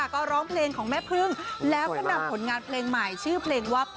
ก็ร้องเพลงของแม่พึ่ง